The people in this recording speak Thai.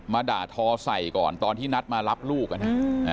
ด่าทอใส่ก่อนตอนที่นัดมารับลูกอ่ะนะ